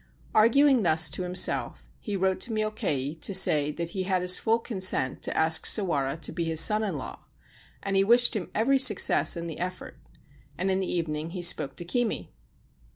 Arguing thus to himself, he wrote to Myokei to say that he had his full consent to ask Sawara to be his son in law, and he wished him every success in the effort ; and in the evening he spoke to Kimi.